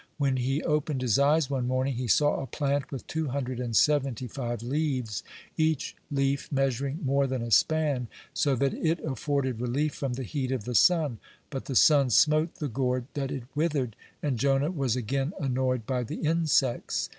When he opened his eyes one morning, he saw a plant with two hundred and seventy five leaves, each leaf measuring more than a span, so that it afforded relief from the heat of the sun. But the sun smote the gourd that it withered, and Jonah was again annoyed by the insects.